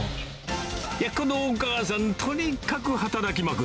このお母さん、とにかく働きまくる。